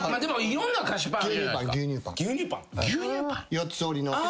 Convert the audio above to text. ４つ折りの。